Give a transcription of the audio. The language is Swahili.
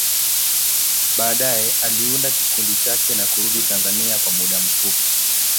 Baadaye, aliunda kikundi chake na kurudi Tanzania kwa muda mfupi.